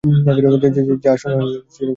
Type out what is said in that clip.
যা শোনালে চিরকাল মনে থাকবে।